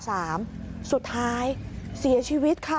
สุดท้ายเสียชีวิตค่ะ